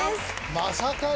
まさかり。